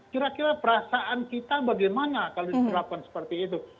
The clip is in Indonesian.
kira kira perasaan kita bagaimana kalau diterapkan seperti itu